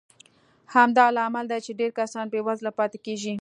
همدا لامل دی چې ډېر کسان بېوزله پاتې کېږي.